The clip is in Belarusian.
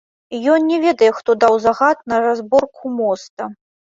Ён не ведае, хто даў загад на разборку моста.